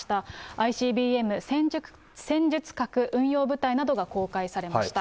ＩＣＢＭ、戦術核運用部隊などが公開されました。